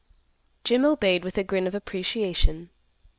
Jim obeyed with a grin of appreciation.